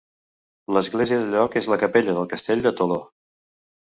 L'església del lloc és la capella del castell de Toló.